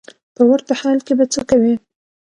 په ورته حال کې به څه کوې.